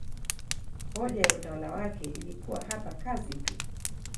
Hoja ya utawala wake ilikuwa hapa kazi tu